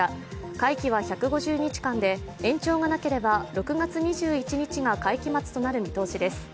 会期は１５０日間で延長がなければ６月２１日が会期末となる見通しです